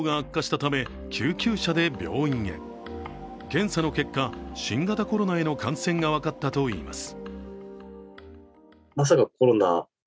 検査の結果、新型コロナへの感染が分かったといいます。